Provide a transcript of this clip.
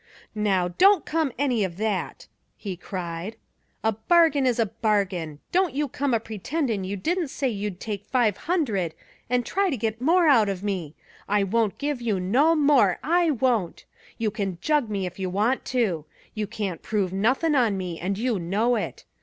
"Now, don't come any of that!" he cried. "A bargain is a bargain. Don't you come a pretendin' you didn't say you'd take five hundred, and try to get more out of me! I won't give you no more I won't! You can jug me, if you want to. You can't prove nothin' on me, and you know it.